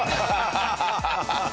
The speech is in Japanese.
アハハハハ！